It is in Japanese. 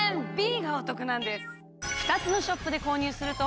Ｂがお得なんです。